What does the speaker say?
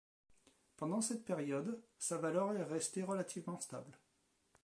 Pendant toute cette période, sa valeur est restée relativement stable.